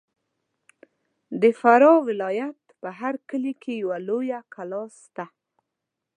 د فراه ولایت په هر کلي کې یوه لویه کلا سته.